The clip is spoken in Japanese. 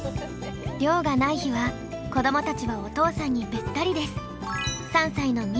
漁がない日は子どもたちはお父さんにべったりです。